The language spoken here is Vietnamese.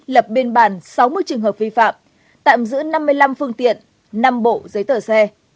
lập biên bản sáu mươi trường hợp vi phạm tạm giữ năm mươi năm phương tiện năm bộ giấy tờ xe